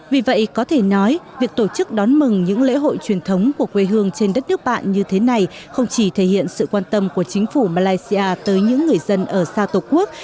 vì vậy có thể nói việc tổ chức đón mừng những lễ hội truyền thống của quê hương trên đất nước bạn như thế này không chỉ thể hiện sự quan tâm của chính phủ malaysia tới những người dân ở xa tổ quốc